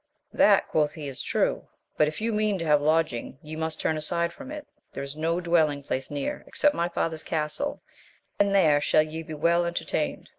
That, quoth he, is true ; but if you mean to have lodg ing, ye must turn aside from it. There is no dwelling place near, except my father's castle, and there shall ye be well entertained.